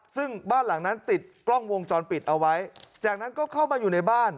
ซึ่งบ้านหลังนั้นติดกล้องวงจรปิดเอาไว้จากนั้นก็เข้ามาอยู่ในบ้าน